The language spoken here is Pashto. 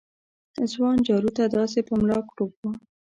ځوان جارو ته داسې په ملا کړوپ و